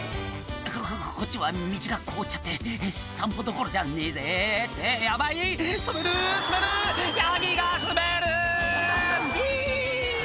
「ここっちは道が凍っちゃって散歩どころじゃねえぜってヤバい滑る滑る」「ヤギが滑るメェ」